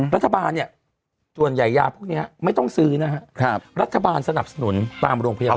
รัฐบาลเนี่ยส่วนใหญ่ยาพวกนี้ไม่ต้องซื้อนะครับรัฐบาลสนับสนุนตามโรงพยาบาล